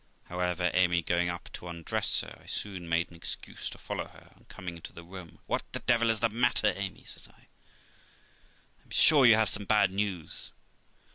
However, Amy going up to undress her, I soon made an excuse to follow her, and coming into the room, 'What the d 1 is the matter, Amy?' says I; 'I am sure you have some bad news.'